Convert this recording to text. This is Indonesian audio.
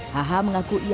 hh mengaku ianya berguna